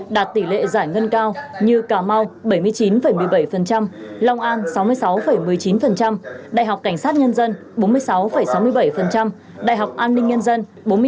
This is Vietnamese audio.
đạt tỷ lệ giải ngân cao như cà mau bảy mươi chín một mươi bảy long an sáu mươi sáu một mươi chín đại học cảnh sát nhân dân bốn mươi sáu sáu mươi bảy đại học an ninh nhân dân bốn mươi hai tám mươi sáu